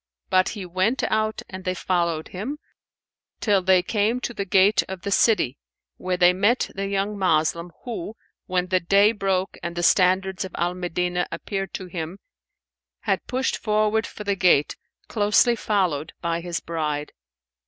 But he went out and they followed him, till they came to the gate of the city, where they met the young Moslem who, when the day broke and the standards of Al Medinah appeared to him, had pushed forward for the gate closely followed by his bride.